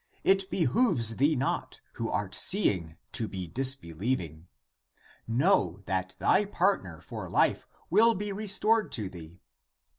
It behooves thee not, who art seeing, to be disbelieving. Know that thy partner for life will be restored to thee.